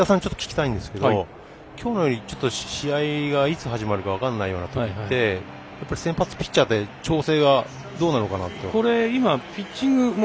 武田さんにちょっと聞きたいんですがきょうみたいに試合がいつ始まるか分からないようなときってやっぱり先発ピッチャーって調整がどうなのかなって。